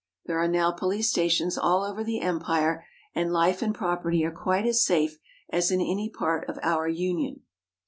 There are now police stations all over the empire, and Hfe and property are quite as safe as in any part of our Union.